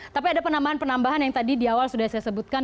tapi ada penambahan penambahan yang tadi di awal sudah saya sebutkan